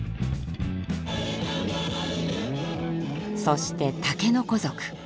そして竹の子族。